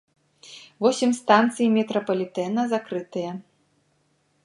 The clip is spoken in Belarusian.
Восем станцый метрапалітэна закрытыя.